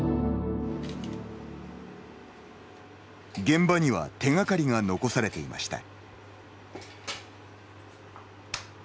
現場には手がかりが残されていました。